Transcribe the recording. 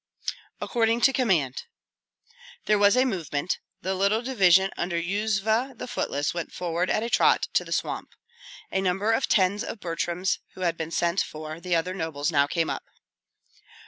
"According to command." There was a movement; the little division under Yuzva the Footless went forward at a trot to the swamp. A number of tens of Butryms who had been sent for other nobles now came up.